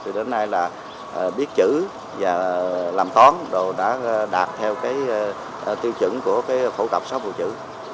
thì đến nay là biết chữ và làm toán đồ đã đạt theo cái tiêu chuẩn của cái phẫu tập sáu phụ chữ